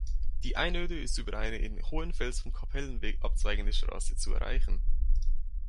Die Einöde ist über eine in Hohenfels vom Kapellenweg abzweigende Straße zu erreichen.